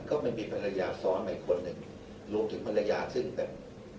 ก็ไม่มีภรรยาซ้อนไปคนหนึ่งรวมถึงภรรยาซึ่งแบบ